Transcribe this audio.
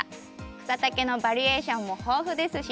草丈のバリエーションも豊富ですし